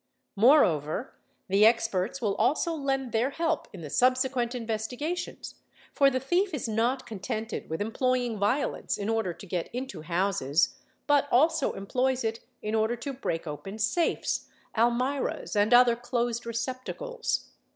— i Moreover, the experts will also lend their help in the subsequent investigations, for the thief is not contented with employing violence in order to get into houses but also employs it in order to break open safes, i almirahs, and other "closed receptacles'?